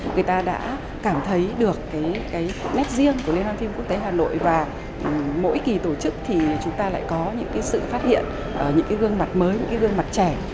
người ta đã cảm thấy được cái nét riêng của liên hoan phim quốc tế hà nội và mỗi kỳ tổ chức thì chúng ta lại có những sự phát hiện những gương mặt mới những cái gương mặt trẻ